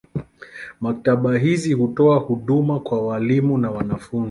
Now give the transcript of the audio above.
Maktaba hizi hutoa huduma kwa walimu na wanafunzi.